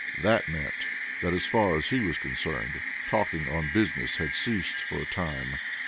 That meant that, as far as he was concerned, talking on business had ceased for a time.